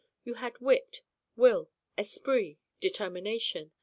You had wit, will, esprit, determination.